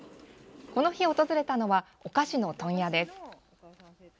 この日、訪れたのはお菓子の問屋です。